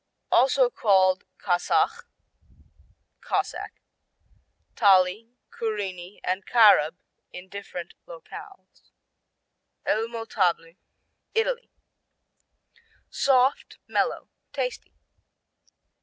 Also called Kasach (Cossack), Tali, Kurini and Karab in different locales. Elmo Table Italy Soft, mellow, tasty.